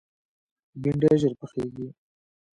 بېنډۍ ژر پخېږي